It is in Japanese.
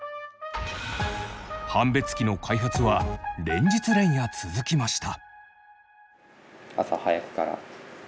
判別機の開発は連日連夜続きました。